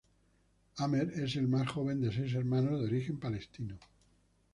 Amer es el más joven de seis hermanos de origen palestino.